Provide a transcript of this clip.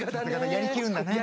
やり切るんだね。